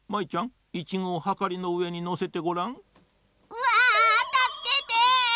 うわあたすけて！